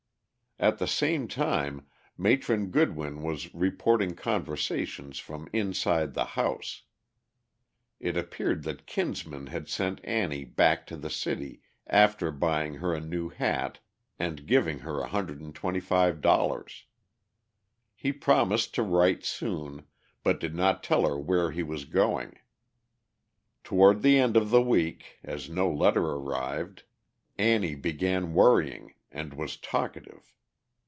At the same time, Matron Goodwin was reporting conversation from inside the house. It appeared that Kinsman had sent Annie back to the city after buying her a new hat and giving her $125. He promised to write soon, but did not tell her where he was going. Toward the end of the week, as no letter arrived, Annie began worrying, and was talkative.